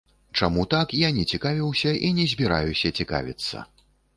Чаму так, я не цікавіўся і не збіраюся цікавіцца.